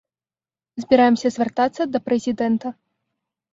Збіраемся звяртацца да прэзідэнта.